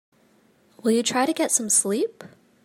Will you try to get some sleep?